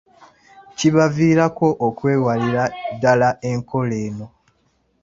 Kibaviirako okwewalira ddala enkola eno.